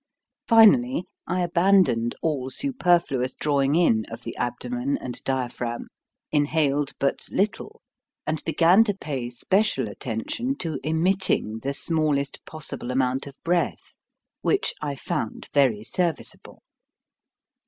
Finally I abandoned all superfluous drawing in of the abdomen and diaphragm, inhaled but little, and began to pay special attention to emitting the smallest possible amount of breath, which I found very serviceable.